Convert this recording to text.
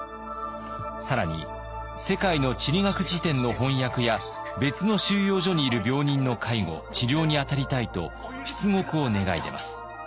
更に世界の地理学辞典の翻訳や別の収容所にいる病人の介護治療に当たりたいと出獄を願い出ます。